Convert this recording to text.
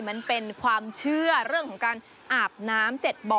มันเป็นความเชื่อเรื่องของการอาบน้ำ๗บ่อ